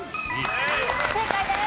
正解です！